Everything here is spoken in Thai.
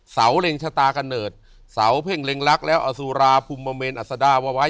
สาวเหลงชะตากำเนิดสาวเพ่งเล็งลักษณ์แล้วอสุราพุมเมมร์อัสฎาวะว้าย